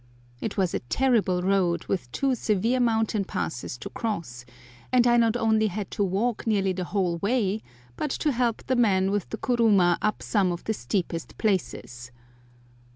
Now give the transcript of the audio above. It was a terrible road, with two severe mountain passes to cross, and I not only had to walk nearly the whole way, but to help the man with the kuruma up some of the steepest places.